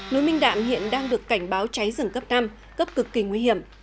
núi minh đạm hiện đang được cảnh báo cháy rừng cấp năm cấp cực kỳ nguy hiểm